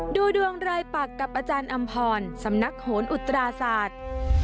ดูดวงรายปักกับอาจารย์อำพรสำนักโหนอุตราศาสตร์